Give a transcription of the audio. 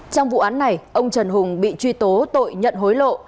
trong vụ án này ông trần hùng bị truy tố tội nhận hối lộ